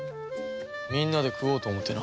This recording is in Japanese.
みんなで食おうと思ってな。